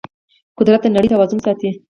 قدرت د نړۍ توازن ساتي.